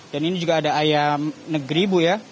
dan ini juga ada ayam negeri bu ya